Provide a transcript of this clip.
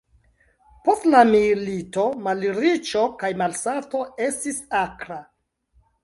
Post la milito malriĉo kaj malsato estis akra.